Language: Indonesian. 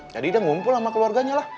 jadi udah ngumpul sama keluarganya lah